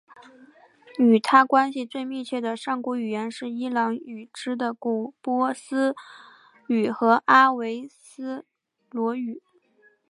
与它关系最密切的上古语言是伊朗语支的古波斯语和阿维斯陀语。